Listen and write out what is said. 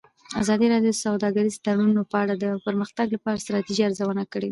ازادي راډیو د سوداګریز تړونونه په اړه د پرمختګ لپاره د ستراتیژۍ ارزونه کړې.